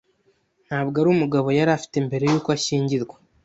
Ntabwo ari umugabo yari afite mbere yuko ashyingirwa.